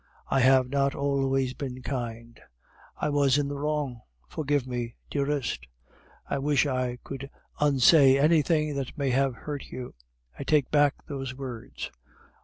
I have not always been kind; I was in the wrong; forgive me, dearest; I wish I could unsay anything that may have hurt you; I take back those words.